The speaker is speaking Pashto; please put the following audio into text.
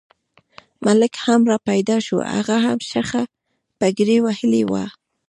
ملک هم را پیدا شو، هغه هم شخه پګړۍ وهلې وه.